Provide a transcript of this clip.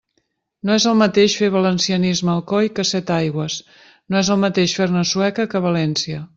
No és el mateix fer valencianisme a Alcoi que a Setaigües, no és el mateix fer-ne a Sueca que a València.